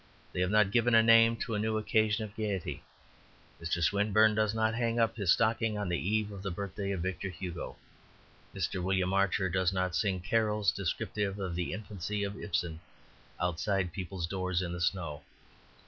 They have not given a name or a new occasion of gaiety. Mr. Swinburne does not hang up his stocking on the eve of the birthday of Victor Hugo. Mr. William Archer does not sing carols descriptive of the infancy of Ibsen outside people's doors in the snow.